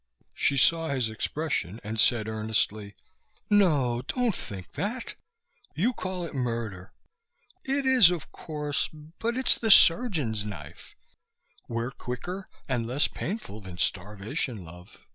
She saw his expression and said earnestly, "No, don't think that! You call it murder. It is, of course. But it's the surgeon's knife. We're quicker and less painful than starvation, love